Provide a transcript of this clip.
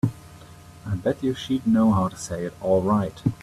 I bet you she'd know how to say it all right.